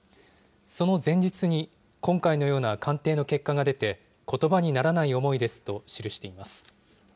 その前日に、今回のような鑑定の結果が出て、ことばにならない思いですと記しています。